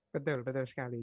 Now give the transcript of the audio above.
betul betul sekali